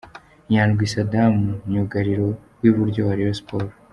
Nyandwi Saddam myugariro w'iburyo muri Rayon Sports.